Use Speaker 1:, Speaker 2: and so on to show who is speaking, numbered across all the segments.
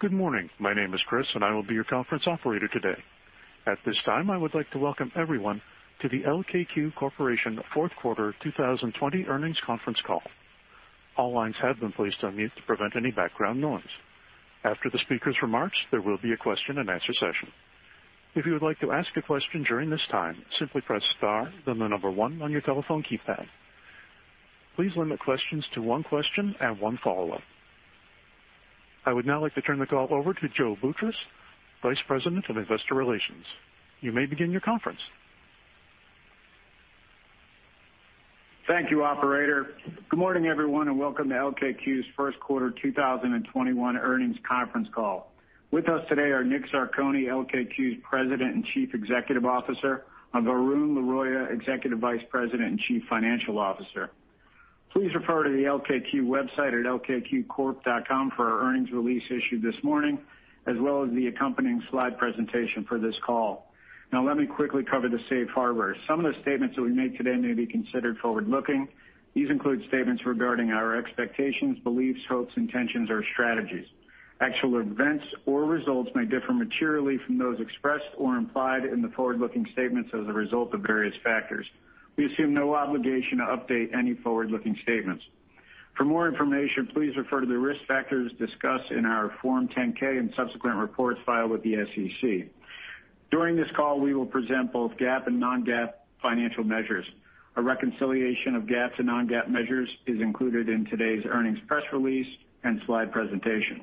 Speaker 1: Good morning. My name is Chris, and I will be your conference operator today. At this time, I would like to welcome everyone to the LKQ Corporation Q4 2020 earnings conference call. All lines have been placed on mute to prevent any background noise. After the speaker's remarks, there will be a question-and-answer session. If you would like to ask a question during this time, simply press star, then the number one on your telephone keypad. Please limit questions to one question and one follow-up. I would now like to turn the call over to Joseph P. Boutross, Vice President of Investor Relations. You may begin your conference.
Speaker 2: Thank you, operator. Good morning, everyone, and welcome to LKQ's Q1 2021 earnings conference call. With us today are Dominick Zarcone, LKQ's President and Chief Executive Officer, and Varun Laroyia, Executive Vice President and Chief Financial Officer. Please refer to the LKQ website at lkqcorp.com for our earnings release issued this morning, as well as the accompanying slide presentation for this call. Now, let me quickly cover the safe harbor. Some of the statements that we make today may be considered forward-looking. These include statements regarding our expectations, beliefs, hopes, intentions, or strategies. Actual events or results may differ materially from those expressed or implied in the forward-looking statements as a result of various factors. We assume no obligation to update any forward-looking statements. For more information, please refer to the risk factors discussed in our Form 10-K and subsequent reports filed with the SEC. During this call, we will present both GAAP and non-GAAP financial measures. A reconciliation of GAAP to non-GAAP measures is included in today's earnings press release and slide presentation.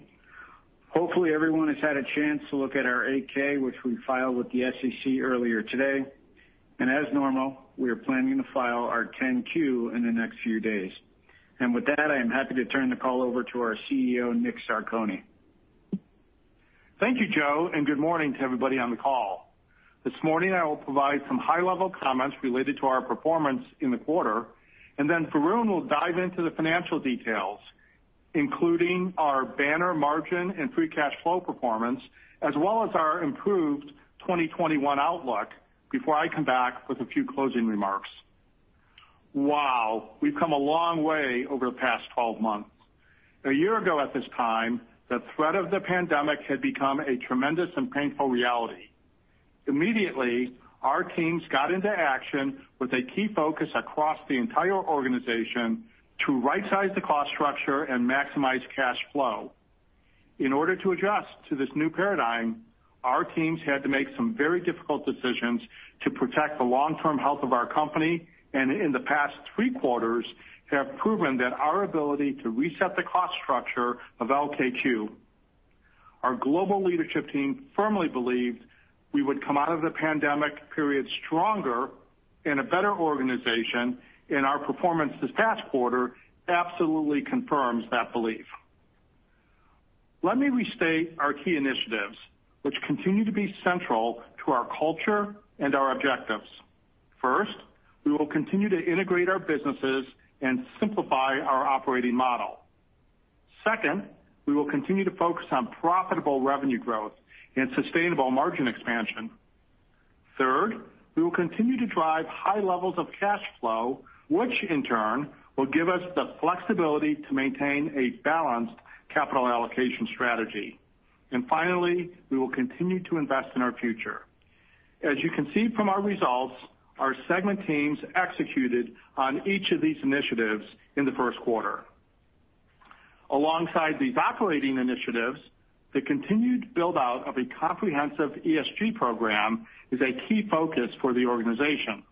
Speaker 2: Hopefully, everyone has had a chance to look at our 8-K, which we filed with the SEC earlier today. As normal, we are planning to file our 10-Q in the next few days. With that, I am happy to turn the call over to our CEO, Nick Zarcone.
Speaker 3: Thank you, Joe, and good morning to everybody on the call. This morning, I will provide some high-level comments related to our performance in the quarter, and then Varun will dive into the financial details, including our banner margin and free cash flow performance, as well as our improved 2021 outlook before I come back with a few closing remarks. Wow. We've come a long way over the past 12 months. A year ago, at this time, the threat of the pandemic had become a tremendous and painful reality. Immediately, our teams got into action with a key focus across the entire organization to right-size the cost structure and maximize cash flow. In order to adjust to this new paradigm, our teams had to make some very difficult decisions to protect the long-term health of our company, and in the past three quarters have proven that our ability to reset the cost structure of LKQ. Our global leadership team firmly believed we would come out of the pandemic period stronger and a better organization, and our performance this past quarter absolutely confirms that belief. Let me restate our key initiatives, which continue to be central to our culture and our objectives. First, we will continue to integrate our businesses and simplify our operating model. Second, we will continue to focus on profitable revenue growth and sustainable margin expansion. Third, we will continue to drive high levels of cash flow, which in turn will give us the flexibility to maintain a balanced capital allocation strategy. Finally, we will continue to invest in our future. As you can see from our results, our segment teams executed on each of these initiatives in the Q1. Alongside these operating initiatives, the continued build-out of a comprehensive ESG program is a key focus for the organization.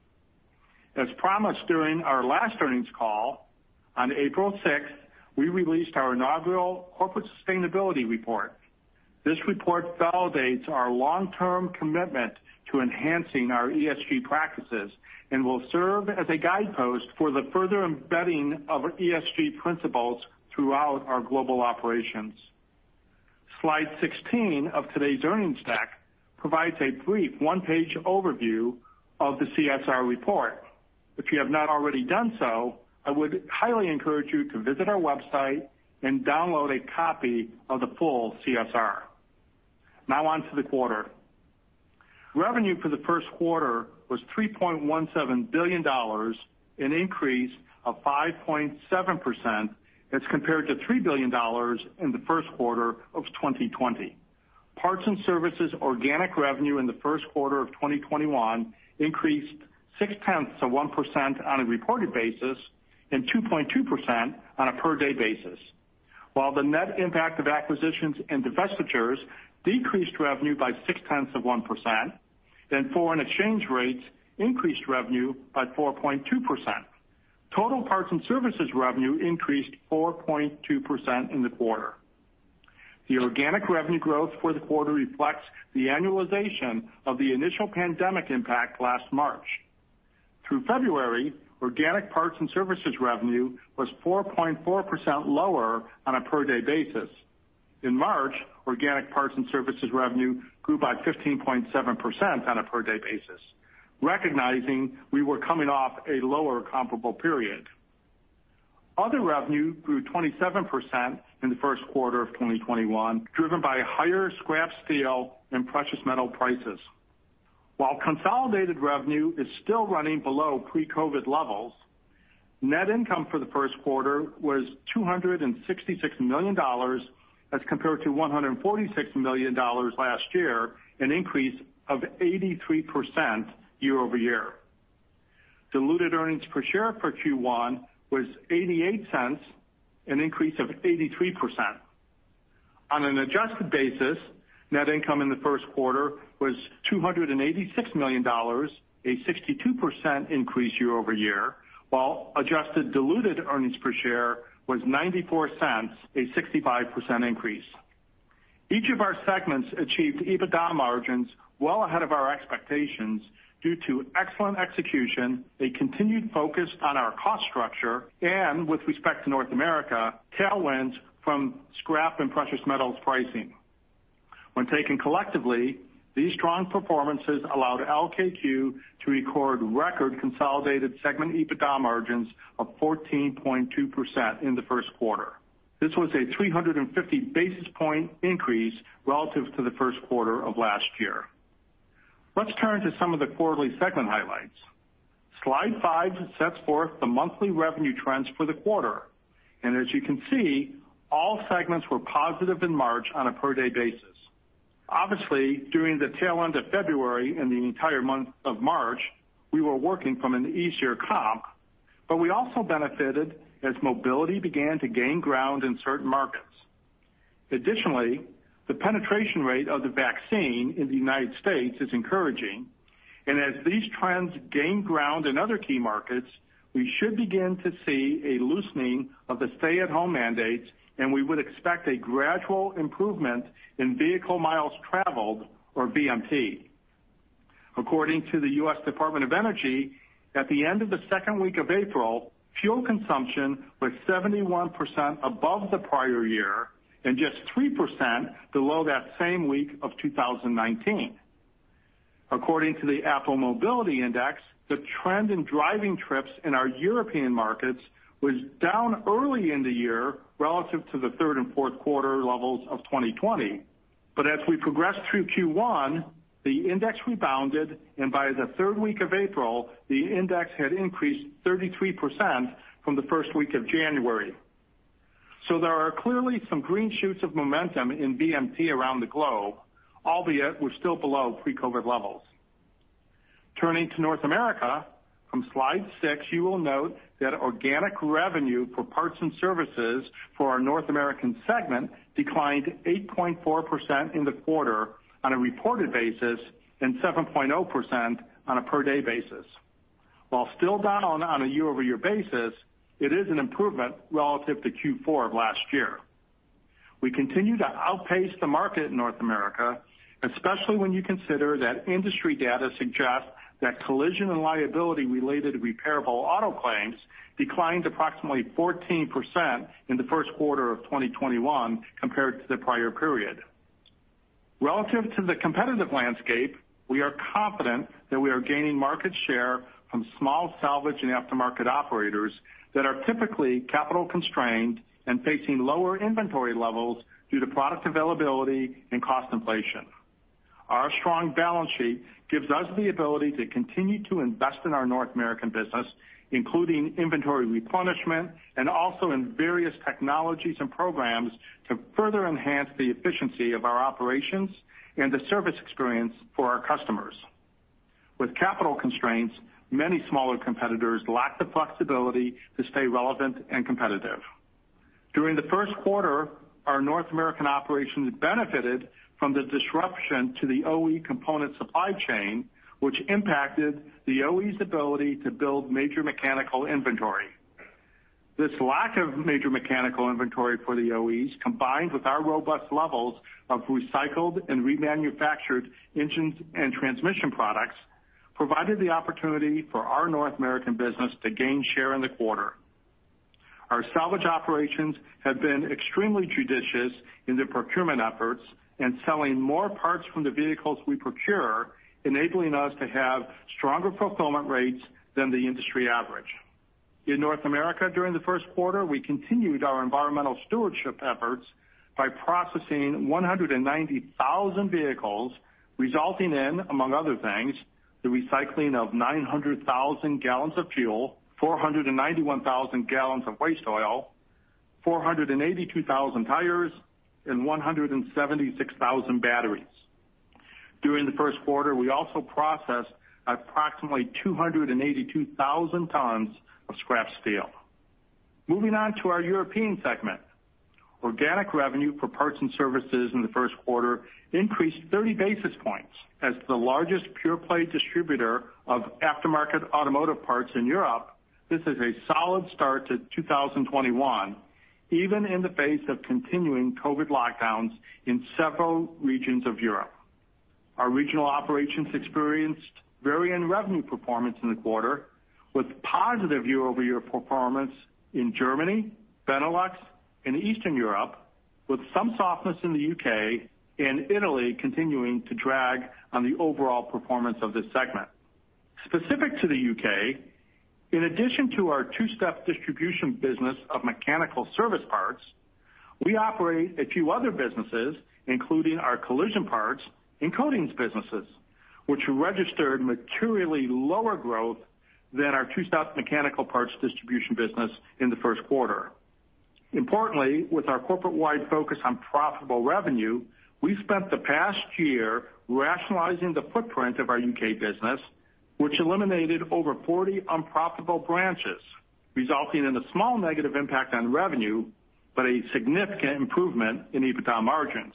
Speaker 3: As promised during our last earnings call, on April 6th, we released our inaugural Corporate Sustainability Report. This report validates our long-term commitment to enhancing our ESG practices and will serve as a guidepost for the further embedding of ESG principles throughout our global operations. Slide 16 of today's earnings deck provides a brief one-page overview of the CSR report. If you have not already done so, I would highly encourage you to visit our website and download a copy of the full CSR. Now on to the quarter. Revenue for the Q1 was $3.17 billion, an increase of 5.7% as compared to $3 billion in the Q1 of 2020. Parts and services organic revenue in the Q1 of 2021 increased 0.6% on a reported basis and 2.2% on a per day basis. While the net impact of acquisitions and divestitures decreased revenue by 0.6%, foreign exchange rates increased revenue by 4.2%. Total parts and services revenue increased 4.2% in the quarter. The organic revenue growth for the quarter reflects the annualization of the initial pandemic impact last March. Through February, organic parts and services revenue was 4.4% lower on a per-day basis. In March, organic parts and services revenue grew by 15.7% on a per-day basis, recognizing we were coming off a lower comparable period. Other revenue grew 27% in the Q1 of 2021, driven by higher scrap steel and precious metal prices. While consolidated revenue is still running below pre-COVID levels, net income for the Q1 was $266 million as compared to $146 million last year, an increase of 83% year-over-year. Diluted earnings per share for Q1 was $0.88, an increase of 83%. On an adjusted basis, net income in the Q1 was $286 million, a 62% increase year-over-year, while adjusted diluted earnings per share was $0.94, a 65% increase. Each of our segments achieved EBITDA margins well ahead of our expectations due to excellent execution, a continued focus on our cost structure, and with respect to North America, tailwinds from scrap and precious metals pricing. When taken collectively, these strong performances allowed LKQ to record consolidated segment EBITDA margins of 14.2% in the Q1. This was a 350-basis point increase relative to the Q1 of last year. Let's turn to some of the quarterly segment highlights. Slide five sets forth the monthly revenue trends for the quarter, and as you can see, all segments were positive in March on a per-day basis. Obviously, during the tail end of February and the entire month of March, we were working from an easier comp, but we also benefited as mobility began to gain ground in certain markets. Additionally, the penetration rate of the vaccine in the United States is encouraging, and as these trends gain ground in other key markets, we should begin to see a loosening of the stay-at-home mandates, and we would expect a gradual improvement in vehicle miles traveled, or VMT. According to the United States Department of Energy, at the end of the second week of April, fuel consumption was 71% above the prior year and just 3% below that same week of 2019. According to the Apple Mobility Trends, the trend in driving trips in our European markets was down early in the year relative to the Q3 and Q4 levels of 2020. As we progressed through Q1, the index rebounded, and by the third week of April, the index had increased 33% from the first week of January. There are clearly some green shoots of momentum in VMT around the globe, albeit we're still below pre-COVID levels. Turning to North America, from slide six, you will note that organic revenue for parts and services for our North American segment declined 8.4% in the quarter on a reported basis and 7.0% on a per-day basis. While still down on a year-over-year basis, it is an improvement relative to Q4 of last year. We continue to outpace the market in North America, especially when you consider that industry data suggests that collision and liability-related repairable auto claims declined approximately 14% in the Q1 of 2021 compared to the prior period. Relative to the competitive landscape, we are confident that we are gaining market share from small salvage and aftermarket operators that are typically capital constrained and facing lower inventory levels due to product availability and cost inflation. Our strong balance sheet gives us the ability to continue to invest in our North American business, including inventory replenishment and also in various technologies and programs to further enhance the efficiency of our operations and the service experience for our customers. With capital constraints, many smaller competitors lack the flexibility to stay relevant and competitive. During the Q1, our North American operations benefited from the disruption to the OE component supply chain, which impacted the OE's ability to build major mechanical inventory. This lack of major mechanical inventory for the OEs, combined with our robust levels of recycled and remanufactured engines and transmission products, provided the opportunity for our North American business to gain share in the quarter. Our salvage operations have been extremely judicious in their procurement efforts and selling more parts from the vehicles we procure, enabling us to have stronger fulfillment rates than the industry average. In North America during the Q1, we continued our environmental stewardship efforts by processing 190,000 vehicles, resulting in, among other things, the recycling of 900,000 gallons of fuel, 491,000 gallons of waste oil, 482,000 tires, and 176,000 batteries. During the Q1, we also processed approximately 282,000 tons of scrap steel. Moving on to our European segment. Organic revenue for parts and services in the Q1 increased 30-basis points. As the largest pure-play distributor of aftermarket automotive parts in Europe, this is a solid start to 2021, even in the face of continuing COVID lockdowns in several regions of Europe. Our regional operations experienced varying revenue performance in the quarter, with positive year-over-year performance in Germany, Benelux, and Eastern Europe, with some softness in the U.K. and Italy continuing to drag on the overall performance of this segment. Specific to the U.K., in addition to our two-step distribution business of mechanical service parts, we operate a few other businesses, including our collision parts and coatings businesses, which registered materially lower growth than our two-step mechanical parts distribution business in the Q1. Importantly, with our corporate-wide focus on profitable revenue, we spent the past year rationalizing the footprint of our U.K. business, which eliminated over 40 unprofitable branches, resulting in a small negative impact on revenue, but a significant improvement in EBITDA margins.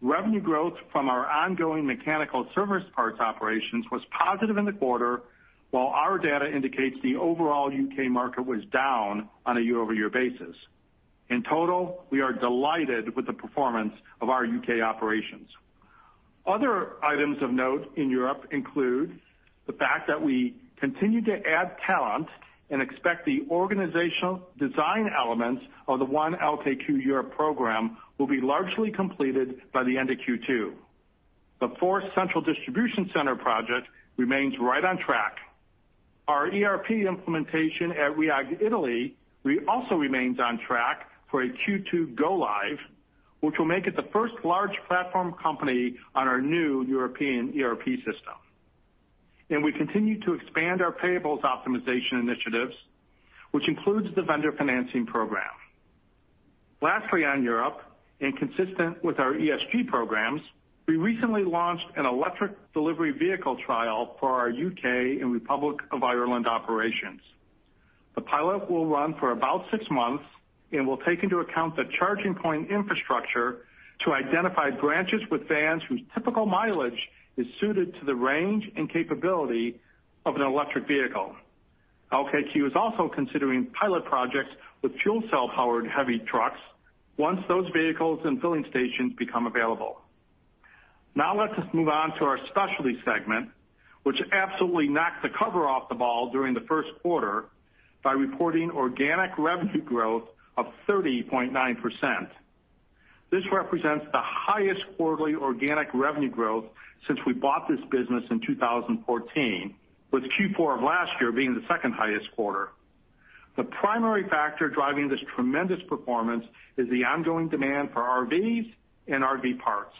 Speaker 3: Revenue growth from our ongoing mechanical service parts operations was positive in the quarter, while our data indicates the overall U.K. market was down on a year-over-year basis. In total, we are delighted with the performance of our U.K. operations. Other items of note in Europe include the fact that we continue to add talent and expect the organizational design elements of the One LKQ Europe program will be largely completed by the end of Q2. The four central distribution center project remains right on track. Our ERP implementation at Rhiag Italy also remains on track for a Q2 go live, which will make it the first large platform company on our new European ERP system. We continue to expand our payables optimization initiatives, which includes the vendor financing program. Lastly, on Europe, consistent with our ESG programs, we recently launched an electric delivery vehicle trial for our U.K. and Republic of Ireland operations. The pilot will run for about six months and will take into account the charging point infrastructure to identify branches with vans whose typical mileage is suited to the range and capability of an electric vehicle. LKQ is also considering pilot projects with fuel cell-powered heavy trucks once those vehicles and filling stations become available. Now let us move on to our Specialty segment, which absolutely knocked the cover off the ball during the Q1 by reporting organic revenue growth of 30.9%. This represents the highest quarterly organic revenue growth since we bought this business in 2014, with Q4 of last year being the second highest quarter. The primary factor driving this tremendous performance is the ongoing demand for RVs and RV parts.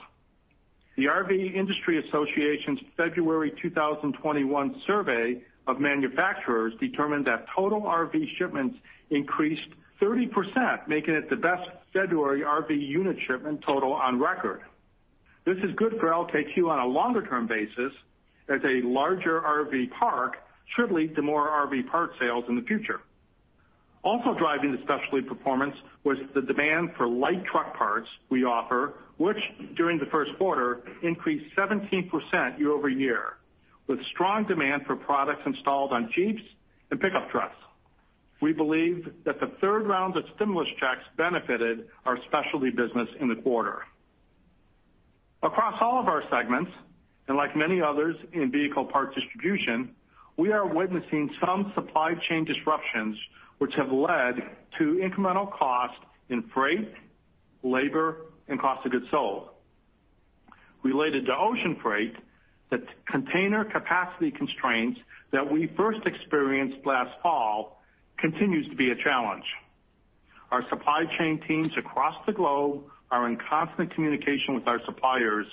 Speaker 3: The RV Industry Association's February 2021 survey of manufacturers determined that total RV shipments increased 30%, making it the best February RV unit shipment total on record. This is good for LKQ on a longer-term basis, as a larger RV park should lead to more RV parts sales in the future. Also driving the Specialty performance was the demand for light truck parts we offer, which during the Q1 increased 17% year-over-year, with strong demand for products installed on Jeeps and pickup trucks. We believe that the third round of stimulus checks benefited our Specialty business in the quarter. Across all of our segments, like many others in vehicle parts distribution, we are witnessing some supply chain disruptions which have led to incremental cost in freight, labor, and cost of goods sold. Related to ocean freight, the container capacity constraints that we first experienced last fall continues to be a challenge. Our supply chain teams across the globe are in constant communication with our suppliers,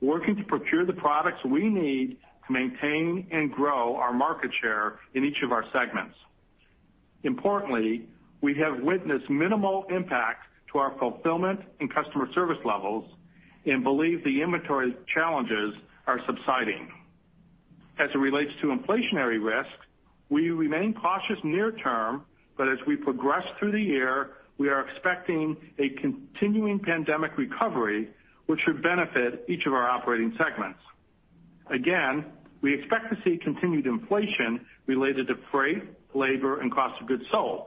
Speaker 3: working to procure the products we need to maintain and grow our market share in each of our segments. Importantly, we have witnessed minimal impact to our fulfillment and customer service levels and believe the inventory challenges are subsiding. As it relates to inflationary risks, we remain cautious near term, but as we progress through the year, we are expecting a continuing pandemic recovery, which should benefit each of our operating segments. Again, we expect to see continued inflation related to freight, labor, and cost of goods sold.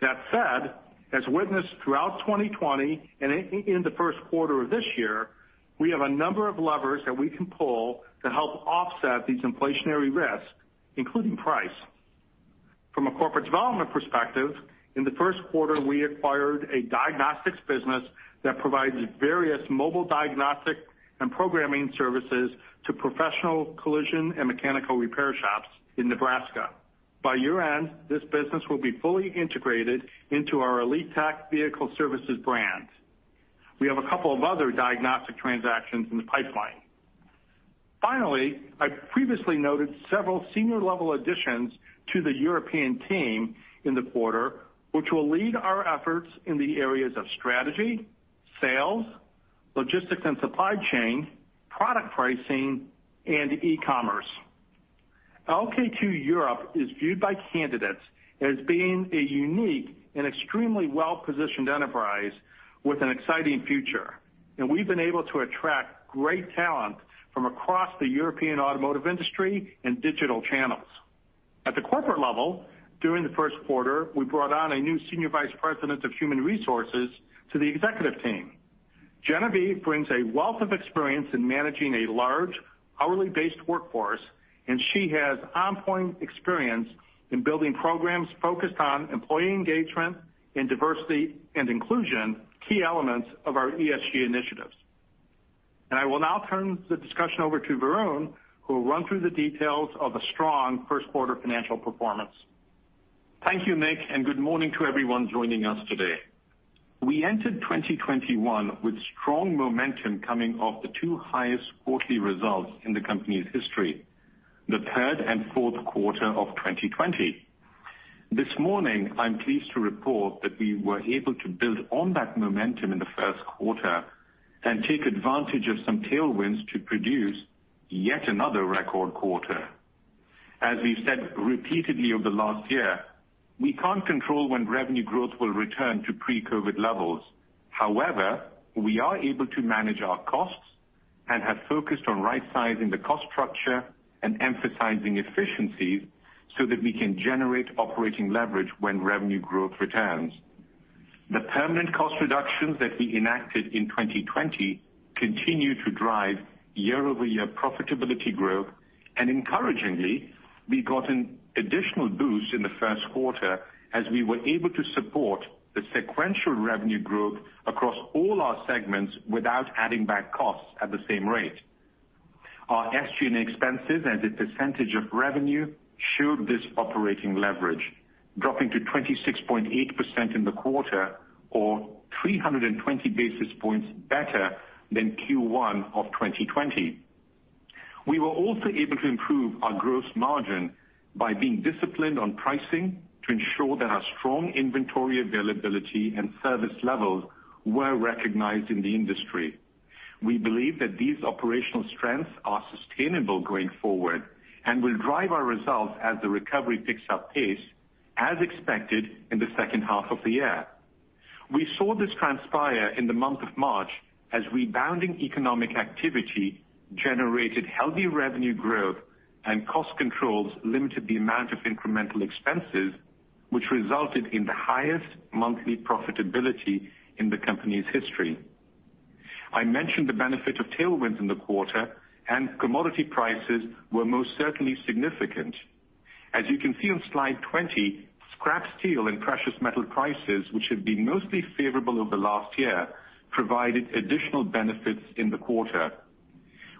Speaker 3: That said, as witnessed throughout 2020 and in the Q1 of this year, we have a number of levers that we can pull to help offset these inflationary risks, including price. From a corporate development perspective, in the Q1, we acquired a diagnostics business that provides various mobile diagnostic and programming services to professional collision and mechanical repair shops in Nebraska. By year-end, this business will be fully integrated into our Elitek Vehicle Services brand. We have a couple of other diagnostic transactions in the pipeline. I previously noted several senior-level additions to the European team in the quarter, which will lead our efforts in the areas of strategy, sales, logistics and supply chain, product pricing, and e-commerce. LKQ Europe is viewed by candidates as being a unique and extremely well-positioned enterprise with an exciting future, and we've been able to attract great talent from across the European automotive industry and digital channels. At the corporate level, during the Q1, we brought on a new senior vice president of human resources to the executive team. Genevieve brings a wealth of experience in managing a large hourly-based workforce, and she has on-point experience in building programs focused on employee engagement and diversity and inclusion, key elements of our ESG initiatives. I will now turn the discussion over to Varun, who will run through the details of a strong Q1 financial performance.
Speaker 4: Thank you, Nick, and good morning to everyone joining us today. We entered 2021 with strong momentum coming off the two highest quarterly results in the company's history, the Q3 and Q4 of 2020. This morning, I'm pleased to report that we were able to build on that momentum in the Q1 and take advantage of some tailwinds to produce yet another record quarter. As we've said repeatedly over the last year, we can't control when revenue growth will return to pre-COVID levels. However, we are able to manage our costs and have focused on rightsizing the cost structure and emphasizing efficiencies so that we can generate operating leverage when revenue growth returns. The permanent cost reductions that we enacted in 2020 continue to drive year-over-year profitability growth. Encouragingly, we got an additional boost in the Q1 as we were able to support the sequential revenue growth across all our segments without adding back costs at the same rate. Our SG&A expenses as a percentage of revenue showed this operating leverage, dropping to 26.8% in the quarter, or 320-basis points better than Q1 2020. We were also able to improve our gross margin by being disciplined on pricing to ensure that our strong inventory availability and service levels were recognized in the industry. We believe that these operational strengths are sustainable going forward and will drive our results as the recovery picks up pace, as expected in the H2 of the year. We saw this transpire in the month of March, as rebounding economic activity generated healthy revenue growth and cost controls limited the amount of incremental expenses, which resulted in the highest monthly profitability in the company's history. I mentioned the benefit of tailwinds in the quarter, and commodity prices were most certainly significant. As you can see on slide 20, scrap steel and precious metal prices, which have been mostly favorable over the last year, provided additional benefits in the quarter.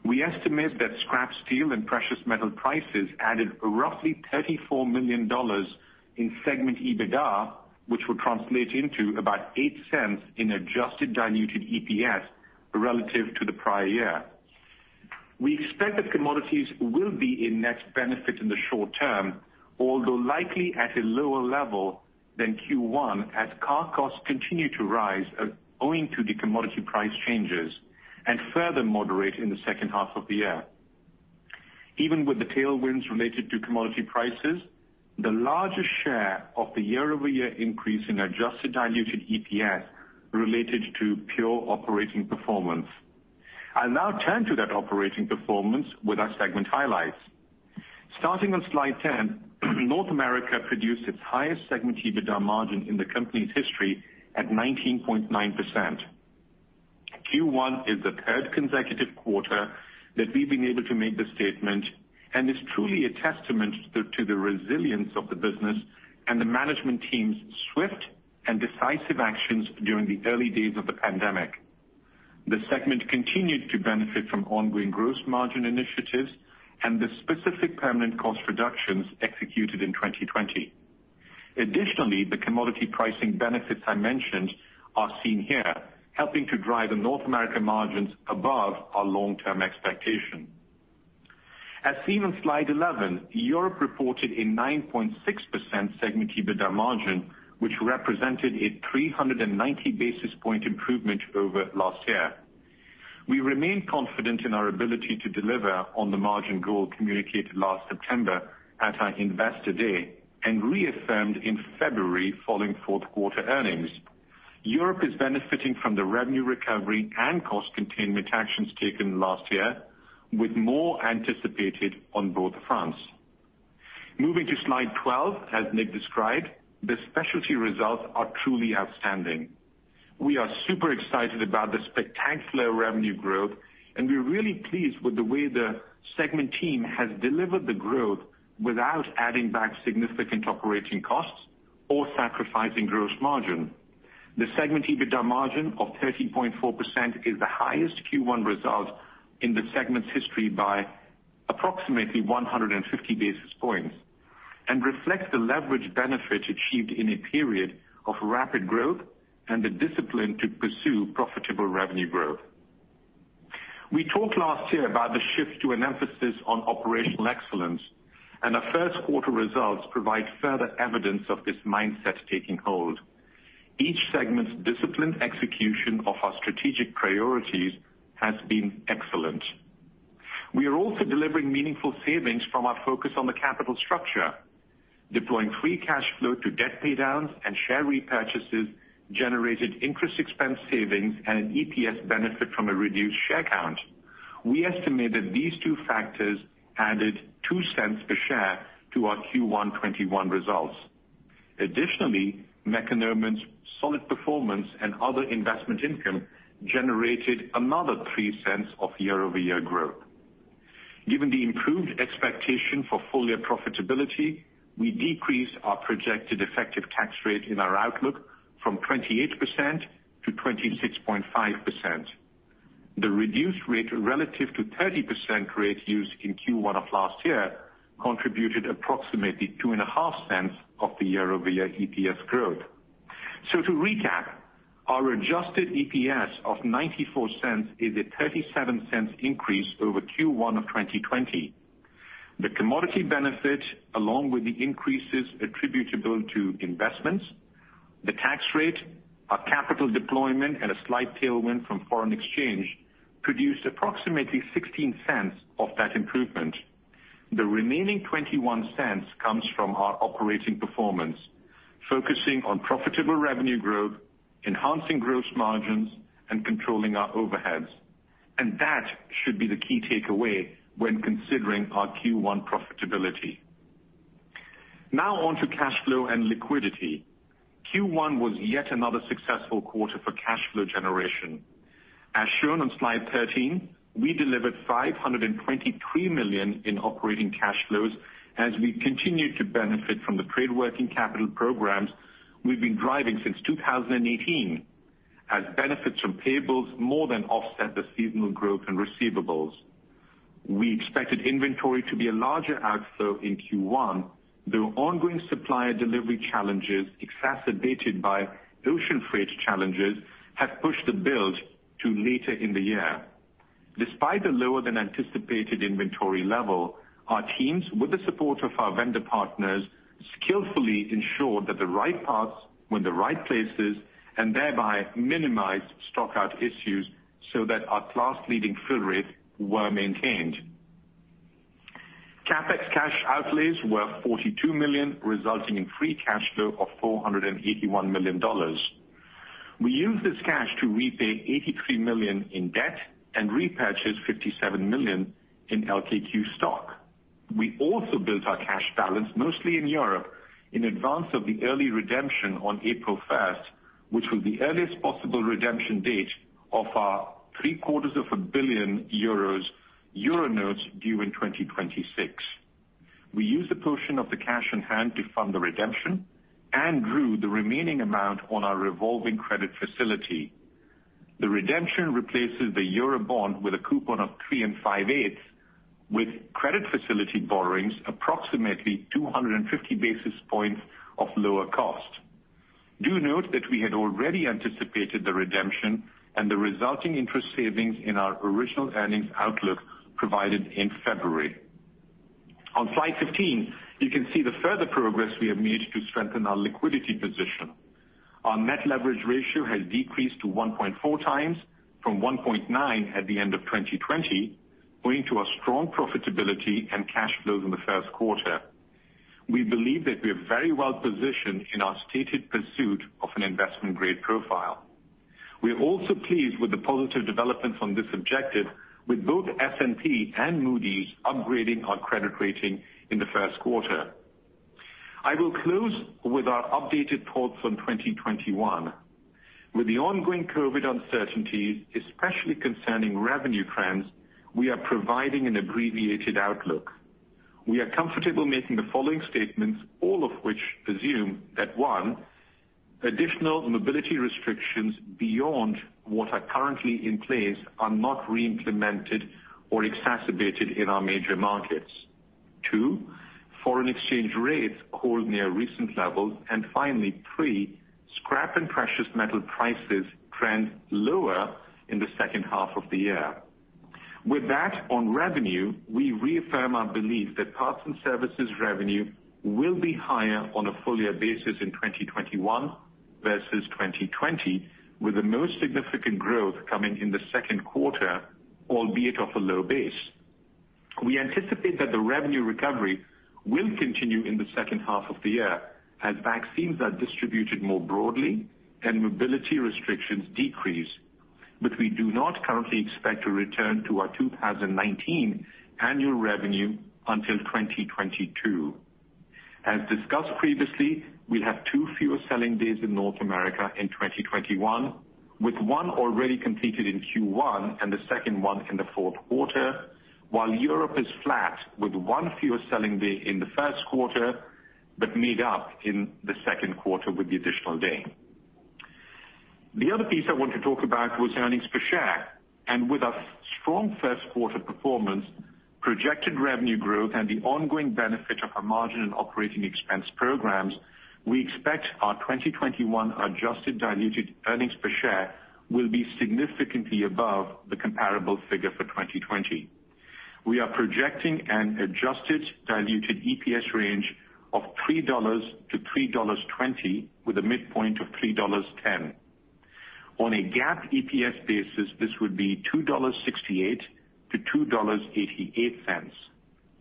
Speaker 4: We estimate that scrap steel and precious metal prices added roughly $34 million in segment EBITDA, which will translate into about $0.08 in adjusted diluted EPS relative to the prior year. We expect that commodities will be a net benefit in the short term, although likely at a lower level than Q1, as car costs continue to rise owing to the commodity price changes and further moderate in the H2 of the year. Even with the tailwinds related to commodity prices, the largest share of the year-over-year increase in adjusted diluted EPS related to pure operating performance. I'll now turn to that operating performance with our segment highlights. Starting on slide 10, North America produced its highest segment EBITDA margin in the company's history at 19.9%. Q1 is the third consecutive quarter that we've been able to make this statement, and it's truly a testament to the resilience of the business and the management team's swift and decisive actions during the early days of the pandemic. The segment continued to benefit from ongoing gross margin initiatives and the specific permanent cost reductions executed in 2020. The commodity pricing benefits I mentioned are seen here, helping to drive the North America margins above our long-term expectation. As seen on slide 11, Europe reported a 9.6% segment EBITDA margin, which represented a 390-basis point improvement over last year. We remain confident in our ability to deliver on the margin goal communicated last September at our Investor Day and reaffirmed in February following Q4 earnings. Europe is benefiting from the revenue recovery and cost containment actions taken last year, with more anticipated on both fronts. Moving to slide 12, as Nick described, the specialty results are truly outstanding. We are super excited about the spectacular revenue growth, and we're really pleased with the way the segment team has delivered the growth without adding back significant operating costs or sacrificing gross margin. The segment EBITDA margin of 13.4% is the highest Q1 result in the segment's history by approximately 150-basis points and reflects the leverage benefit achieved in a period of rapid growth and the discipline to pursue profitable revenue growth. We talked last year about the shift to an emphasis on operational excellence, and our Q1 results provide further evidence of this mindset taking hold. Each segment's disciplined execution of our strategic priorities has been excellent. We are also delivering meaningful savings from our focus on the capital structure. Deploying free cash flow to debt paydowns and share repurchases generated interest expense savings and an EPS benefit from a reduced share count. We estimate that these two factors added $0.02 a share to our Q1 2021 results. Additionally, Mekonomen's solid performance and other investment income generated another $0.03 of year-over-year growth. Given the improved expectation for full-year profitability, we decreased our projected effective tax rate in our outlook from 28% to 26.5%. The reduced rate relative to 30% rate used in Q1 of last year contributed approximately $0.025 of the year-over-year EPS growth. To recap, our adjusted EPS of $0.94 is a $0.37 increase over Q1 2020. The commodity benefit, along with the increases attributable to investments, the tax rate, our capital deployment, and a slight tailwind from foreign exchange, produced approximately $0.16 of that improvement. The remaining $0.21 comes from our operating performance, focusing on profitable revenue growth, enhancing gross margins, and controlling our overheads. That should be the key takeaway when considering our Q1 profitability. Now on to cash flow and liquidity. Q1 was yet another successful quarter for cash flow generation. As shown on slide 13, we delivered $523 million in operating cash flows as we continued to benefit from the trade working capital programs we've been driving since 2018, as benefits from payables more than offset the seasonal growth in receivables. We expected inventory to be a larger outflow in Q1, though ongoing supplier delivery challenges exacerbated by ocean freight challenges have pushed the build to later in the year. Despite the lower than anticipated inventory level, our teams, with the support of our vendor partners, skillfully ensured that the right parts were in the right places and thereby minimized stockout issues so that our class-leading fill rates were maintained. CapEx cash outlays were $42 million, resulting in free cash flow of $481 million. We used this cash to repay $83 million in debt and repurchase $57 million in LKQ stock. We also built our cash balance, mostly in Europe, in advance of the early redemption on April 1st, which was the earliest possible redemption date of our three-quarters of a billion euros Euro notes due in 2026. We used a portion of the cash on hand to fund the redemption and drew the remaining amount on our revolving credit facility. The redemption replaces the Euro bond with a coupon of three and five-eighths with credit facility borrowings approximately 250-basis points of lower cost. Do note that we had already anticipated the redemption and the resulting interest savings in our original earnings outlook provided in February. On slide 15, you can see the further progress we have made to strengthen our liquidity position. Our net leverage ratio has decreased to 1.4 times from 1.9 at the end of 2020, owing to our strong profitability and cash flows in the Q1. We believe that we are very well positioned in our stated pursuit of an investment-grade profile. We are also pleased with the positive developments on this objective with both S&P and Moody's upgrading our credit rating in the Q1. I will close with our updated thoughts in 2021. With the ongoing COVID uncertainties, especially concerning revenue trends, we are providing an abbreviated outlook. We are comfortable making the following statements, all of which presume that, one, additional mobility restrictions beyond what are currently in place are not re-implemented or exacerbated in our major markets. Two, foreign exchange rates hold near recent levels. Finally, three, scrap and precious metal prices trend lower in the H2 of the year. With that, on revenue, we reaffirm our belief that parts and services revenue will be higher on a full-year basis in 2021 versus 2020, with the most significant growth coming in the Q2, albeit off a low base. We anticipate that the revenue recovery will continue in the H2 of the year as vaccines are distributed more broadly and mobility restrictions decrease. But we do not currently expect to return to our 2019 annual revenue until 2022. As discussed previously, we have two fewer selling days in North America in 2021, with one already completed in Q1 and the second one in the Q4, while Europe is flat with one fewer selling day in the Q1, but made up in the Q2 with the additional day. The other piece I want to talk about was earnings per share. With our strong Q1 performance, projected revenue growth, and the ongoing benefit of our margin and operating expense programs, we expect our 2021 adjusted diluted earnings per share will be significantly above the comparable figure for 2020. We are projecting an adjusted diluted EPS range of $3-$3.20, with a midpoint of $3.10. On a GAAP EPS basis, this would be $2.68 to $2.88.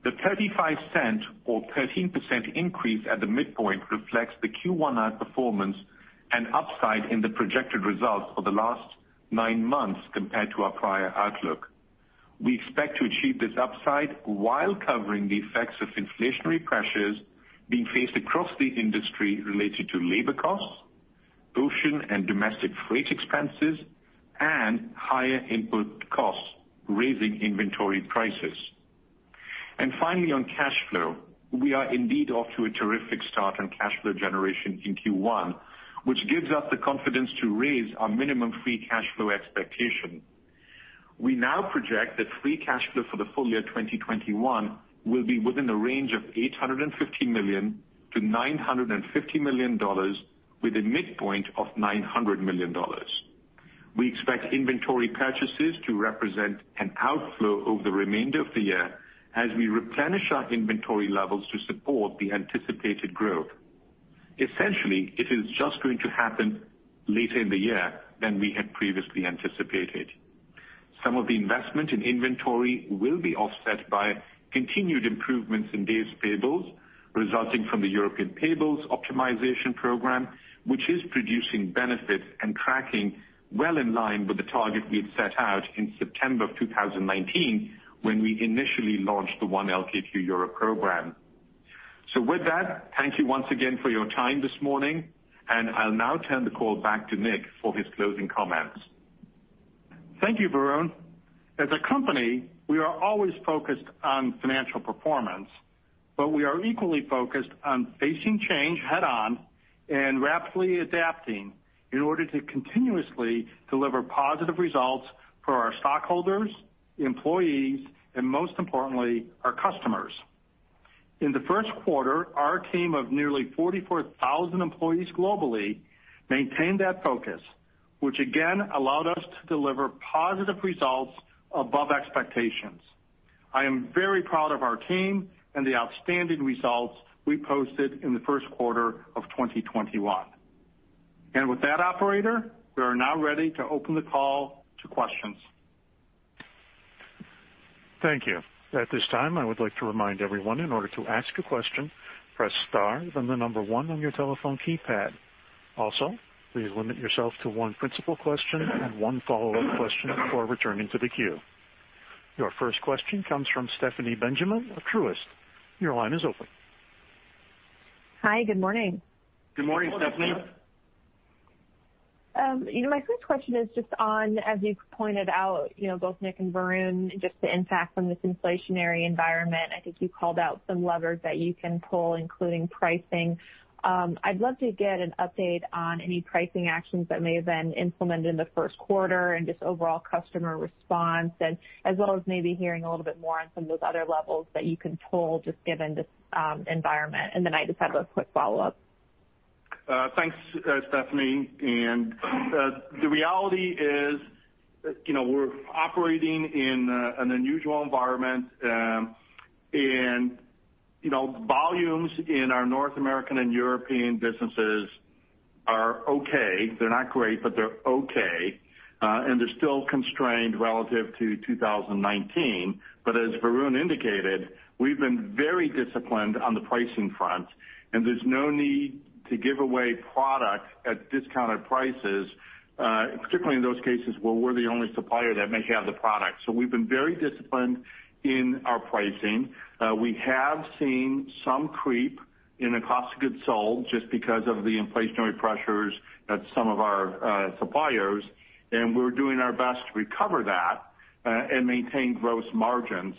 Speaker 4: The $0.35 or 13% increase at the midpoint reflects the Q1 outperformance and upside in the projected results for the last nine months compared to our prior outlook. We expect to achieve this upside while covering the effects of inflationary pressures being faced across the industry related to labor costs, ocean and domestic freight expenses and higher input costs, raising inventory prices. Finally, on cash flow, we are indeed off to a terrific start on cash flow generation in Q1, which gives us the confidence to raise our minimum free cash flow expectation. We now project that free cash flow for the full year 2021 will be within the range of $850-$950 million with a midpoint of $900 million. We expect inventory purchases to represent an outflow over the remainder of the year as we replenish our inventory levels to support the anticipated growth. Essentially, it is just going to happen later in the year than we had previously anticipated. Some of the investment in inventory will be offset by continued improvements in days payables resulting from the European payables optimization program, which is producing benefits and tracking well in line with the target we had set out in September of 2019 when we initially launched the One LKQ Europe program. With that, thank you once again for your time this morning, and I'll now turn the call back to Nick for his closing comments.
Speaker 3: Thank you, Varun. As a company, we are always focused on financial performance, but we are equally focused on facing change head on and rapidly adapting in order to continuously deliver positive results for our stockholders, employees, and most importantly, our customers. In the Q1, our team of nearly 44,000 employees globally maintained that focus, which again allowed us to deliver positive results above expectations. I am very proud of our team and the outstanding results we posted in the Q1 of 2021. With that operator, we are now ready to open the call to questions.
Speaker 1: Thank you. At this time, I would like to remind everyone, in order to ask a question, press star, then the number one on your telephone keypad. Also, please limit yourself to one principal question and one follow-up question before returning to the queue. Your first question comes from Stephanie Benjamin of Truist. Your line is open.
Speaker 5: Hi. Good morning.
Speaker 3: Good morning, Stephanie.
Speaker 5: My first question is just on, as you pointed out, both Nick and Varun, just the impact on this inflationary environment. I think you called out some levers that you can pull, including pricing. I'd love to get an update on any pricing actions that may have been implemented in the Q1 and just overall customer response, as well as maybe hearing a little bit more on some of those other levers that you can pull, just given this environment. I just have a quick follow-up.
Speaker 3: Thanks, Stephanie. The reality is we're operating in an unusual environment. Volumes in our North American and European businesses are okay. They're not great, but they're okay. They're still constrained relative to 2019. As Varun indicated, we've been very disciplined on the pricing front, and there's no need to give away product at discounted prices, particularly in those cases where we're the only supplier that may have the product. We've been very disciplined in our pricing. We have seen some creep in the cost of goods sold just because of the inflationary pressures at some of our suppliers, and we're doing our best to recover that and maintain gross margins.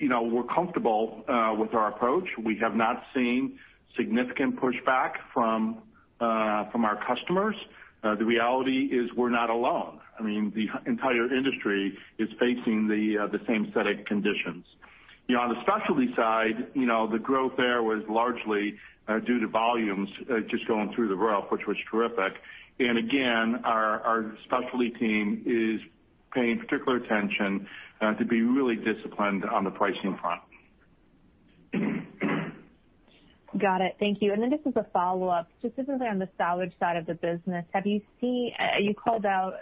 Speaker 3: We're comfortable with our approach. We have not seen significant pushback from our customers. The reality is we're not alone. The entire industry is facing the same set of conditions. On the specialty side, the growth there was largely due to volumes just going through the roof, which was terrific. Again, our specialty team is paying particular attention to be really disciplined on the pricing front.
Speaker 5: Got it. Thank you. Then just as a follow-up, specifically on the salvage side of the business. You called out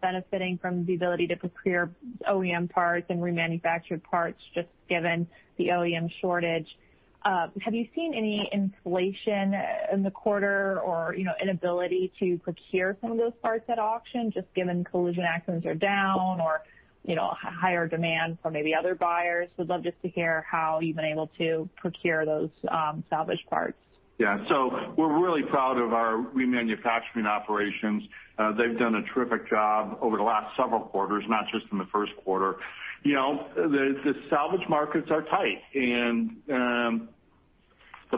Speaker 5: benefiting from the ability to procure OEM parts and remanufactured parts just given the OEM shortage. Have you seen any inflation in the quarter or inability to procure some of those parts at auction just given collision accidents are down or higher demand from maybe other buyers? Would love just to hear how you've been able to procure those salvage parts.
Speaker 3: We're really proud of our remanufacturing operations. They've done a terrific job over the last several quarters, not just in the Q1. The salvage markets are tight; the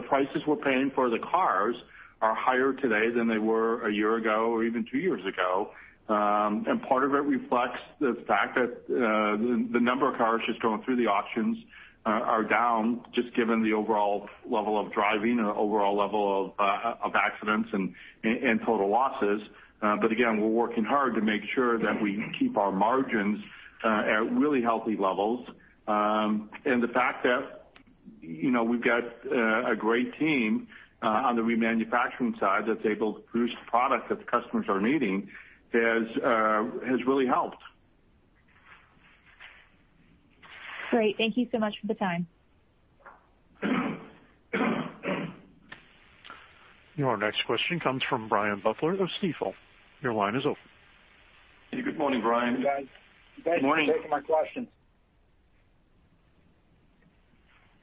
Speaker 3: prices we're paying for the cars are higher today than they were one year ago or even two years ago. Part of it reflects the fact that the number of cars just going through the auctions are down, just given the overall level of driving and overall level of accidents and total losses. Again, we're working hard to make sure that we keep our margins at really healthy levels. The fact that we've got a great team on the remanufacturing side that's able to produce the product that the customers are needing has really helped.
Speaker 5: Great. Thank you so much for the time.
Speaker 1: Your next question comes from Brian Butler of Stifel. Your line is open.
Speaker 3: Good morning, Brian.
Speaker 6: Good morning. Thanks for taking my question.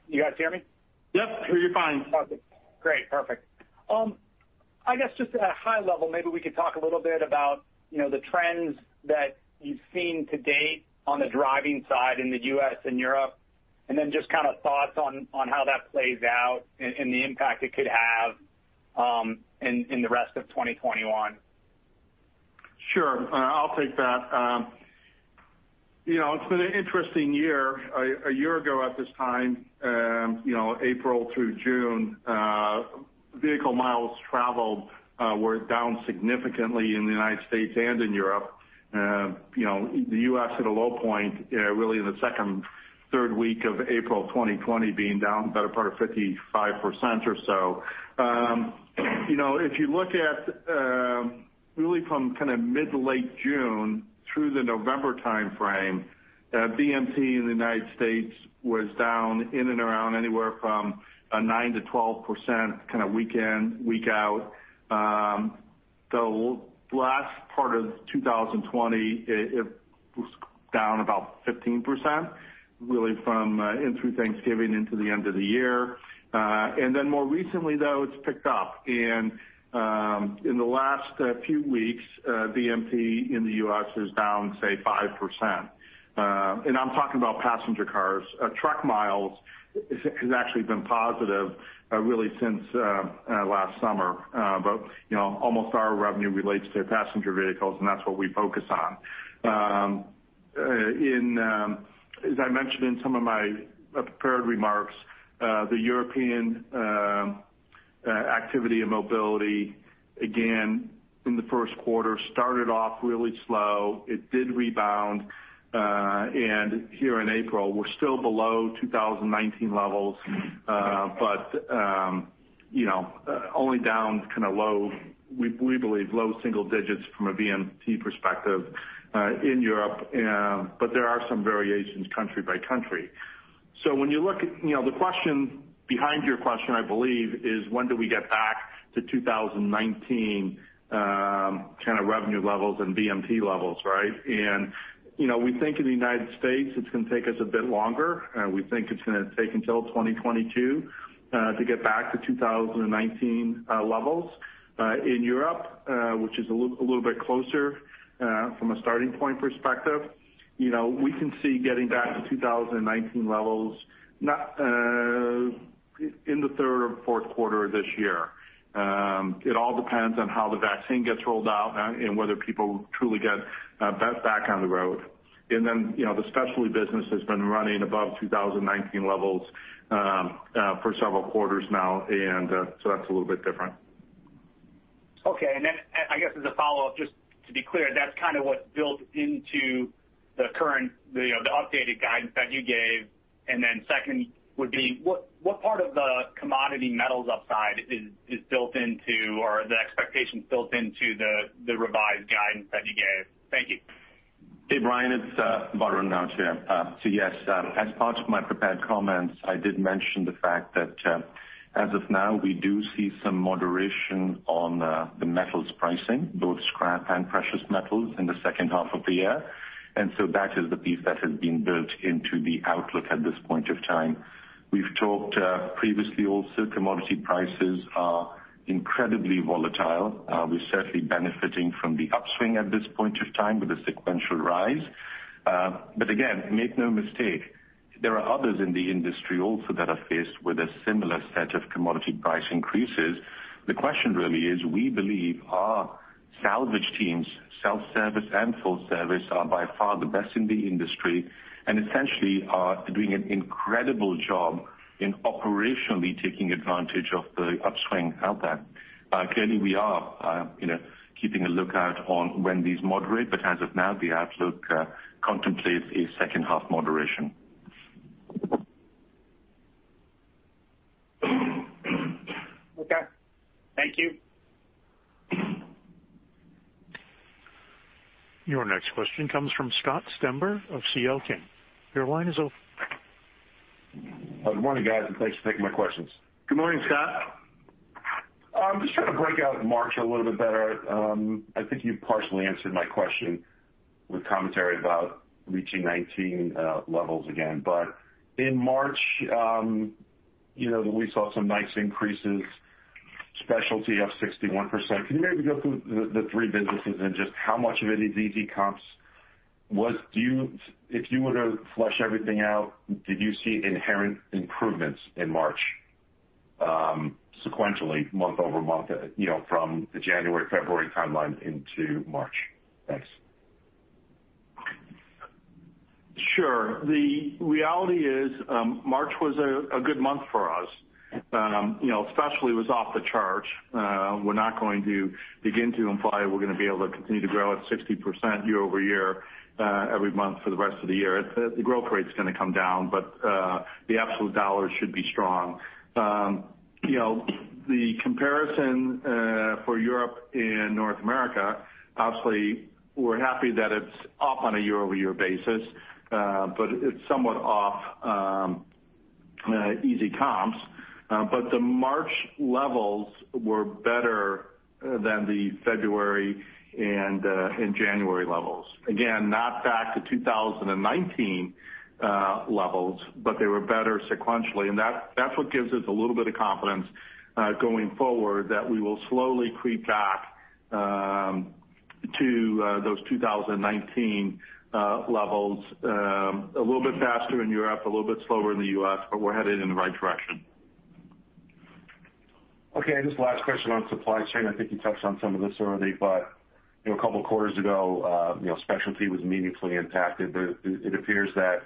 Speaker 6: You guys hear me?
Speaker 3: Yep. We hear you fine.
Speaker 6: Perfect. Great. Perfect. I guess just at a high level, maybe we could talk a little bit about the trends that you've seen to date on the driving side in the U.S. and Europe, and then just thoughts on how that plays out and the impact it could have in the rest of 2021.
Speaker 3: Sure. I'll take that. It's been an interesting year. A year ago at this time, April through June, vehicle miles traveled were down significantly in the United States and in Europe. The U.S. hit a low point really in the second, third week of April 2020, being down better part of 55% or so. If you look at really from mid to late June through the November timeframe, VMT in the United States was down in and around anywhere from 9%-12% week in, week out. The last part of 2020, it was down about 15%, really from in through Thanksgiving into the end of the year. More recently, though, it's picked up. In the last few weeks, VMT in the U.S. is down, say, 5%. I'm talking about passenger cars. Truck miles has actually been positive really since last summer. Almost our revenue relates to passenger vehicles, and that's what we focus on. As I mentioned in some of my prepared remarks, the European activity and mobility, again, in the Q1 started off really slow. It did rebound, and here in April, we're still below 2019 levels. Only down we believe low single digits from a VMT perspective in Europe. There are some variations country by country. The question behind your question, I believe, is when do we get back to 2019 kind of revenue levels and VMT levels, right? We think in the U.S. it's going to take us a bit longer. We think it's going to take until 2022 to get back to 2019 levels. In Europe, which is a little bit closer from a starting point perspective, we can see getting back to 2019 levels in the third or Q4 of this year. It all depends on how the vaccine gets rolled out and whether people truly get back on the road. The specialty business has been running above 2019 levels for several quarters now, and so that's a little bit different.
Speaker 6: Okay. I guess as a follow-up, just to be clear, that's kind of what's built into the updated guidance that you gave. Second would be, what part of the commodity metals upside is built into or the expectations built into the revised guidance that you gave? Thank you.
Speaker 4: Hey, Brian, it's Varun Laroyia. Yes, as part of my prepared comments, I did mention the fact that as of now, we do see some moderation on the metals pricing, both scrap and precious metals in the H2 of the year. That is the piece that has been built into the outlook at this point of time. We've talked previously also, commodity prices are incredibly volatile. We're certainly benefiting from the upswing at this point of time with a sequential rise. Again, make no mistake, there are others in the industry also that are faced with a similar set of commodity price increases. The question really is we believe our salvage teams, self-service and full service, are by far the best in the industry and essentially are doing an incredible job in operationally taking advantage of the upswing out there. Clearly we are keeping a lookout on when these moderate, but as of now, the outlook contemplates a H2 moderation.
Speaker 6: Okay. Thank you.
Speaker 1: Your next question comes from Scott Stember of CL King & Associates. Your line is open.
Speaker 7: Good morning, guys, and thanks for taking my questions.
Speaker 3: Good morning, Scott.
Speaker 7: I'm just trying to break out March a little bit better. I think you partially answered my question with commentary about reaching 19 levels again. In March, we saw some nice increases, specialty up 61%. Can you maybe go through the three businesses and just how much of it is easy comps? If you were to flush everything out, did you see inherent improvements in March sequentially, month-over-month from the January, February timeline into March? Thanks.
Speaker 3: Sure. The reality is March was a good month for us. Specialty was off the charts. We're not going to begin to imply we're going to be able to continue to grow at 60% year-over-year every month for the rest of the year. The growth rate's going to come down, but the absolute dollar should be strong. The comparison for Europe and North America, obviously we're happy that it's up on a year-over-year basis. It's somewhat off easy comps. The March levels were better than the February and January levels. Again, not back to 2019 levels, but they were better sequentially, and that's what gives us a little bit of confidence going forward, that we will slowly creep back to those 2019 levels. A little bit faster in Europe, a little bit slower in the U.S., but we're headed in the right direction.
Speaker 7: Okay. Just last question on supply chain. I think you touched on some of this already, but a couple of quarters ago, Specialty was meaningfully impacted, but it appears that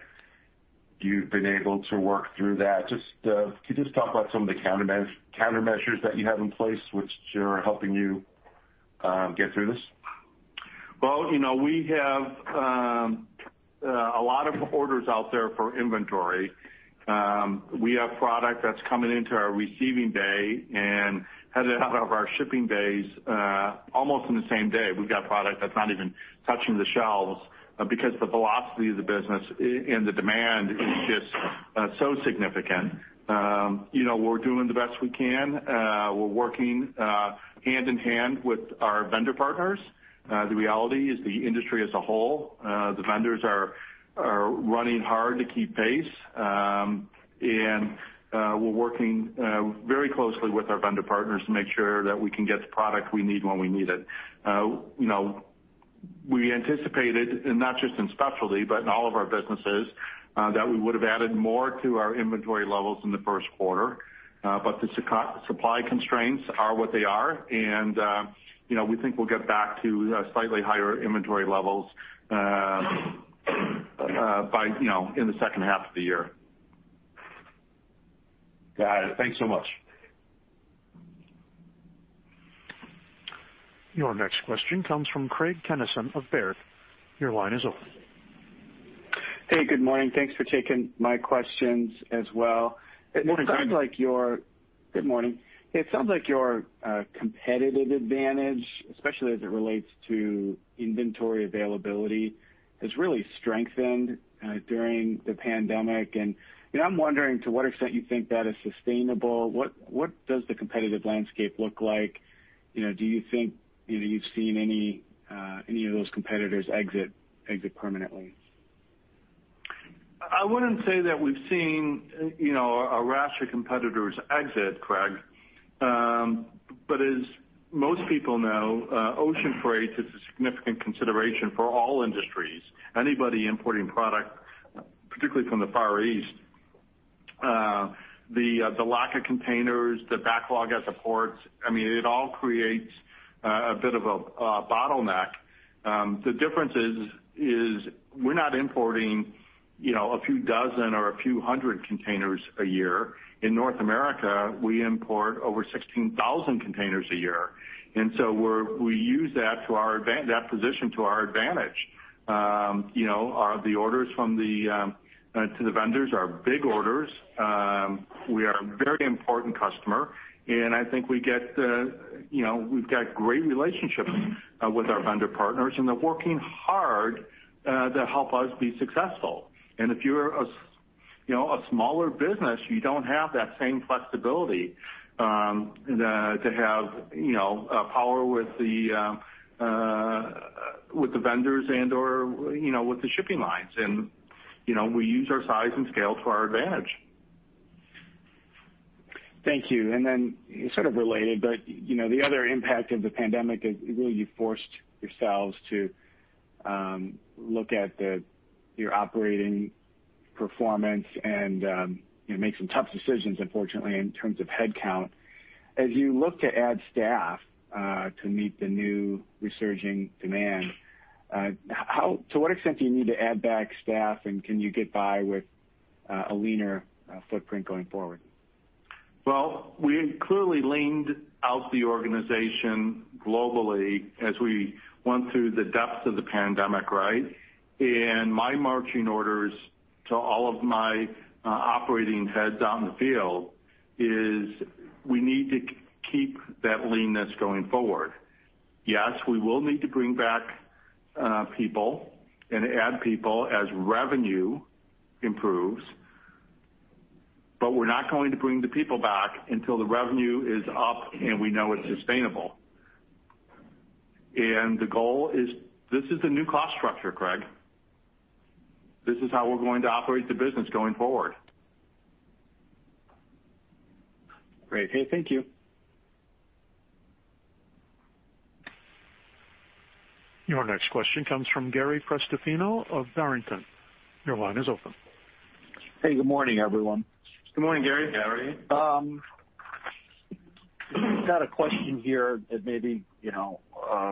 Speaker 7: you've been able to work through that. Could you just talk about some of the countermeasures that you have in place which are helping you get through this?
Speaker 3: Well, we have a lot of orders out there for inventory. We have product that's coming into our receiving bay and headed out of our shipping bays almost on the same day. We've got product that's not even touching the shelves because the velocity of the business and the demand is just so significant. We're doing the best we can. We're working hand in hand with our vendor partners. The reality is, the industry as a whole, the vendors are running hard to keep pace. We're working very closely with our vendor partners to make sure that we can get the product we need when we need it. We anticipated, and not just in specialty, but in all of our businesses, that we would have added more to our inventory levels in the Q1. The supply constraints are what they are, and we think we'll get back to slightly higher inventory levels in the H2 of the year.
Speaker 7: Got it. Thanks so much.
Speaker 1: Your next question comes from Craig Kennison of Baird. Your line is open.
Speaker 8: Hey, good morning. Thanks for taking my questions as well.
Speaker 3: Good morning, Craig.
Speaker 8: Good morning. It sounds like your competitive advantage, especially as it relates to inventory availability, has really strengthened during the pandemic. I'm wondering to what extent you think that is sustainable. What does the competitive landscape look like? Do you think you've seen any of those competitors exit permanently?
Speaker 3: I wouldn't say that we've seen a rash of competitors exit, Craig. As most people know, ocean freight is a significant consideration for all industries. Anybody importing product, particularly from the Far East. The lack of containers, the backlog at the ports, it all creates a bit of a bottleneck. The difference is we're not importing a few dozen or a few hundred containers a year. In North America, we import over 16,000 containers a year, we use that position to our advantage. The orders to the vendors are big orders. We are a very important customer, I think we've got great relationships with our vendor partners, and they're working hard to help us be successful. If you're a smaller business, you don't have that same flexibility to have power with the vendors and/or with the shipping lines. We use our size and scale to our advantage.
Speaker 8: Thank you. Sort of related, but the other impact of the pandemic is really you forced yourselves to look at your operating performance and make some tough decisions, unfortunately, in terms of headcount. As you look to add staff to meet the new resurging demand, to what extent do you need to add back staff, and can you get by with a leaner footprint going forward?
Speaker 3: We clearly leaned out the organization globally as we went through the depths of the pandemic, right? My marching orders to all of my operating heads out in the field is we need to keep that leanness going forward. Yes, we will need to bring back people and add people as revenue improves. We're not going to bring the people back until the revenue is up, and we know it's sustainable. The goal is this is the new cost structure, Craig. This is how we're going to operate the business going forward.
Speaker 8: Great. Hey, thank you.
Speaker 1: Your next question comes from Gary Prestopino of Barrington. Your line is open.
Speaker 9: Hey, good morning, everyone.
Speaker 3: Good morning, Gary.
Speaker 4: Gary.
Speaker 9: I've got a question here that may be a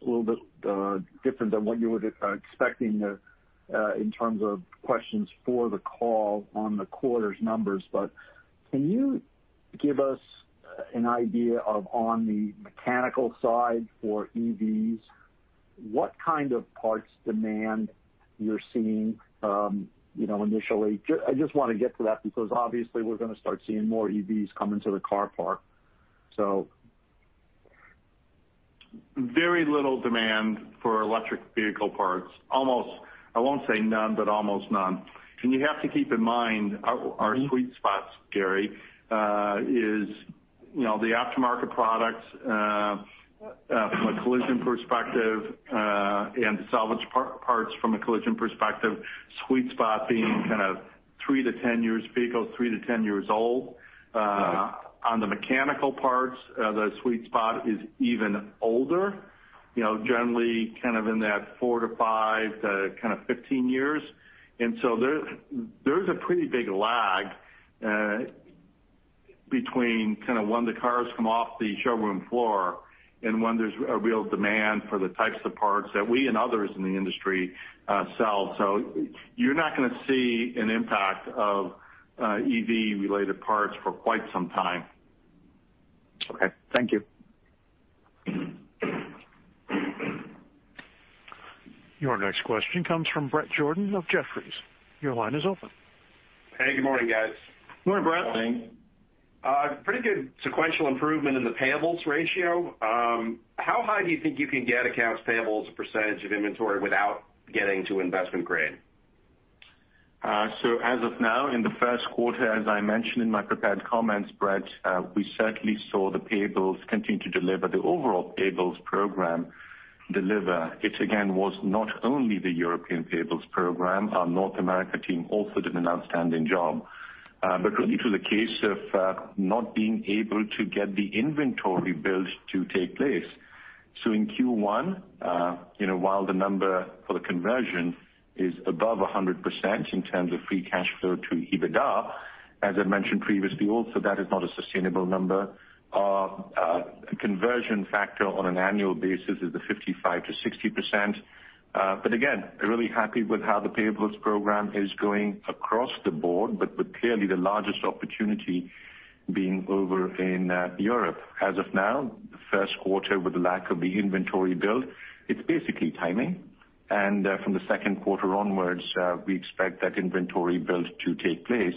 Speaker 9: little bit different than what you were expecting in terms of questions for the call on the quarter's numbers. Can you give us an idea of, on the mechanical side for EVs, what kind of parts demand you're seeing initially? I just want to get to that because obviously we're going to start seeing more EVs come into the car parc.
Speaker 3: Very little demand for electric vehicle parts. I won't say none, but almost none. You have to keep in mind our sweet spots, Gary, is the aftermarket products from a collision perspective and the salvage parts from a collision perspective, sweet spot being kind of 3-10 years vehicle, 3-10 years old.
Speaker 4: Right. On the mechanical parts, the sweet spot is even older, generally kind of in that four to five to kind of 15 years. There's a pretty big lag between when the cars come off the showroom floor and when there's a real demand for the types of parts that we and others in the industry sell. You're not going to see an impact of EV-related parts for quite some time.
Speaker 9: Okay. Thank you.
Speaker 1: Your next question comes from Bret Jordan of Jefferies. Your line is open.
Speaker 10: Hey, good morning, guys.
Speaker 3: Good morning, Bret.
Speaker 4: Morning.
Speaker 10: Pretty good sequential improvement in the payables ratio. How high do you think you can get accounts payables percentage of inventory without getting to investment grade?
Speaker 4: As of now, in the Q1, as I mentioned in my prepared comments, Bret, we certainly saw the payables continue to deliver, the overall payables program deliver. It, again, was not only the European payables program. Our North America team also did an outstanding job. Really, it was a case of not being able to get the inventory build to take place. In Q1, while the number for the conversion is above 100% in terms of free cash flow to EBITDA, as I mentioned previously, also that is not a sustainable number. Our conversion factor on an annual basis is the 55%-60%. Again, really happy with how the payables program is going across the board, but with clearly the largest opportunity being over in Europe. As of now, the Q1 with the lack of the inventory build, it's basically timing. From the Q2 onwards, we expect that inventory build to take place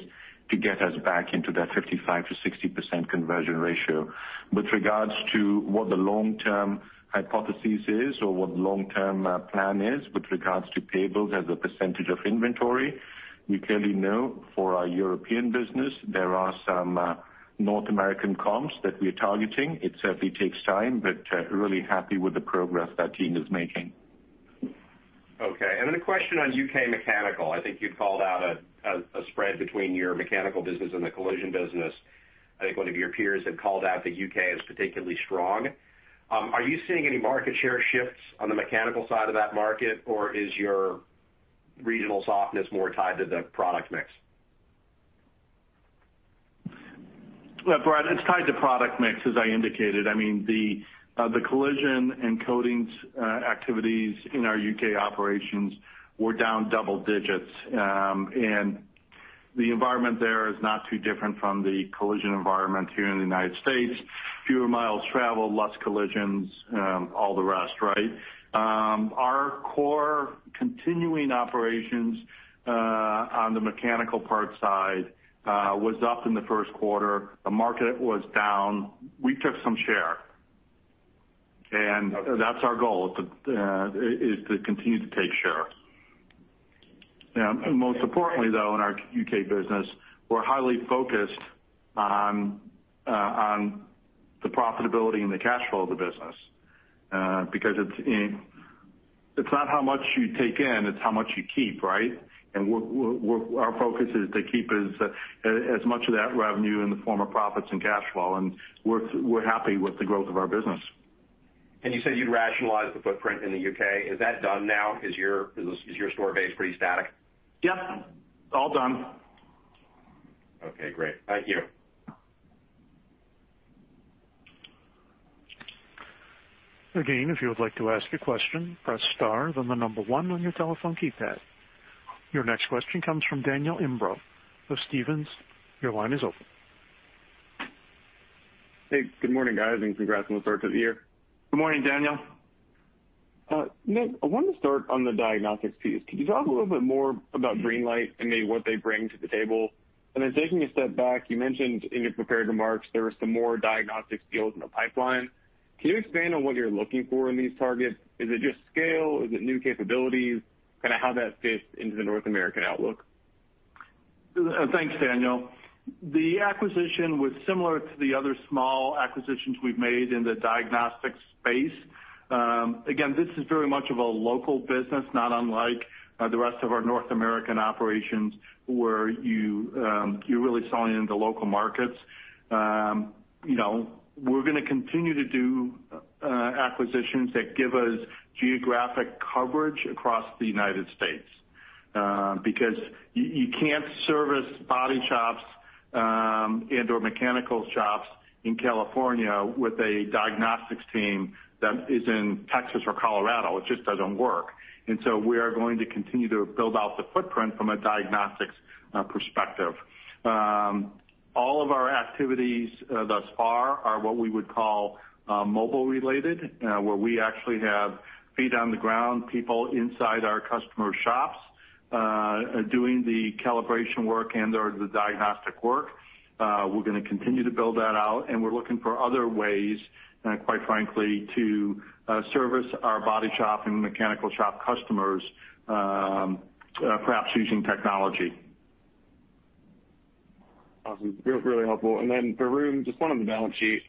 Speaker 4: to get us back into that 55%-60% conversion ratio. With regards to what the long-term hypothesis is or what the long-term plan is with regards to payables as a percentage of inventory, we clearly know for our European business, there are some North American comps that we are targeting. It certainly takes time, but really happy with the progress that team is making.
Speaker 10: Okay. A question on U.K. mechanical. I think you'd called out a spread between your mechanical business and the collision business. I think one of your peers had called out that U.K. is particularly strong. Are you seeing any market share shifts on the mechanical side of that market, or is your regional softness more tied to the product mix?
Speaker 3: Bret, it's tied to product mix, as I indicated. The collision and coatings activities in our U.K. operations were down double digits. The environment there is not too different from the collision environment here in the U.S. Fewer miles traveled, less collisions, all the rest, right? Our core continuing operations on the mechanical parts side was up in the Q1. The market was down. We took some share. That's our goal, is to continue to take share. Most importantly, though, in our U.K. business, we're highly focused on the profitability and the cash flow of the business. Because it's not how much you take in, it's how much you keep, right? Our focus is to keep as much of that revenue in the form of profits and cash flow, and we're happy with the growth of our business.
Speaker 10: You said you'd rationalize the footprint in the U.K. Is that done now? Is your store base pretty static?
Speaker 3: Yes. All done.
Speaker 10: Okay, great. Thank you.
Speaker 1: Again, if you would like to ask a question, press star, then the number one on your telephone keypad. Your next question comes from Daniel Imbro of Stephens. Your line is open.
Speaker 11: Hey, good morning, guys, and congrats on the start to the year.
Speaker 3: Good morning, Daniel.
Speaker 11: Nick, I wanted to start on the diagnostics piece. Could you talk a little bit more about Greenlite and maybe what they bring to the table? Taking a step back, you mentioned in your prepared remarks there are some more diagnostics deals in the pipeline. Can you expand on what you're looking for in these targets? Is it just scale? Is it new capabilities? Kind of how that fits into the North American outlook.
Speaker 3: Thanks, Daniel. The acquisition was similar to the other small acquisitions we've made in the diagnostics space. Again, this is very much of a local business, not unlike the rest of our North American operations, where you're really selling into local markets. We're going to continue to do acquisitions that give us geographic coverage across the United States because you can't service body shops and/or mechanical shops in California with a diagnostics team that is in Texas or Colorado. It just doesn't work. We are going to continue to build out the footprint from a diagnostics perspective. All of our activities thus far are what we would call mobile related, where we actually have feet on the ground, people inside our customer shops, doing the calibration work and/or the diagnostic work. We're going to continue to build that out, and we're looking for other ways, quite frankly, to service our body shop and mechanical shop customers, perhaps using technology.
Speaker 11: Awesome. Really helpful. Then Varun, just one on the balance sheet.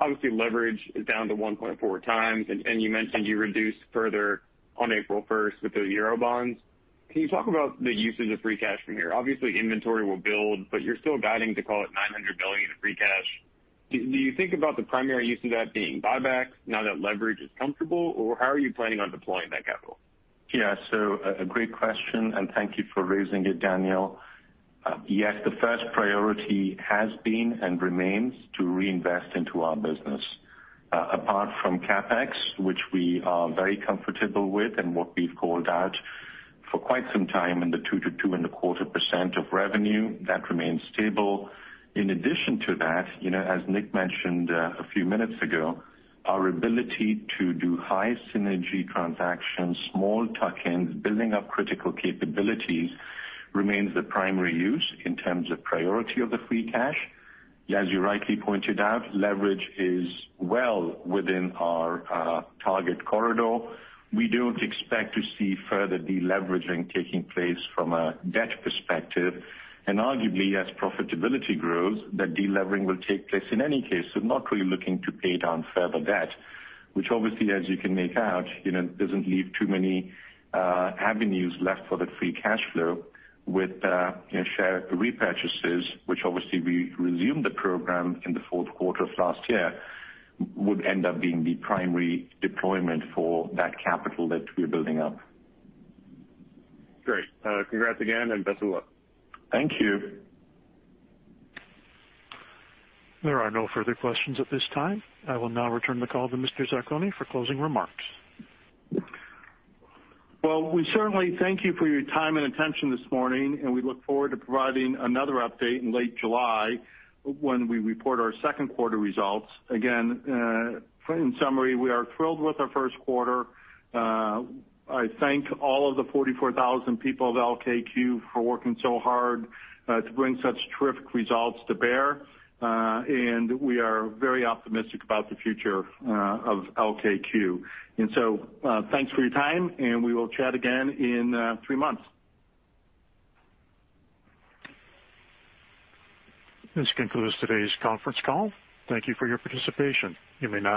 Speaker 11: Obviously, leverage is down to 1.4 times, and you mentioned you reduced further on April 1st with those euro bonds. Can you talk about the uses of free cash from here? Obviously, inventory will build, but you're still guiding to call it $900 billion in free cash. Do you think about the primary use of that being buybacks now that leverage is comfortable, or how are you planning on deploying that capital?
Speaker 4: A great question, and thank you for raising it, Daniel. Yes, the first priority has been and remains to reinvest into our business. Apart from CapEx, which we are very comfortable with and what we've called out for quite some time in the 2%-2.25% of revenue, that remains stable. In addition to that, as Nick mentioned a few minutes ago, our ability to do high synergy transactions, small tuck-ins, building up critical capabilities remains the primary use in terms of priority of the free cash. As you rightly pointed out, leverage is well within our target corridor. We don't expect to see further deleveraging taking place from a debt perspective, arguably, as profitability grows, that delevering will take place in any case. Not really looking to pay down further debt, which obviously, as you can make out, doesn't leave too many avenues left for the free cash flow with share repurchases, which obviously we resumed the program in the Q4 of last year, would end up being the primary deployment for that capital that we're building up.
Speaker 11: Great. Congrats again, and best of luck.
Speaker 4: Thank you.
Speaker 1: There are no further questions at this time. I will now return the call to Mr. Zarcone for closing remarks.
Speaker 3: Well, we certainly thank you for your time and attention this morning, and we look forward to providing another update in late July when we report our Q2 results. Again, in summary, we are thrilled with our Q1. I thank all of the 44,000 people of LKQ for working so hard to bring such terrific results to bear. We are very optimistic about the future of LKQ. Thanks for your time, and we will chat again in three months.
Speaker 1: This concludes today's conference call. Thank you for your participation. You may now disconnect.